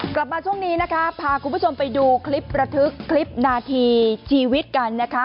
กลับมาช่วงนี้นะคะพาคุณผู้ชมไปดูคลิประทึกคลิปนาทีชีวิตกันนะคะ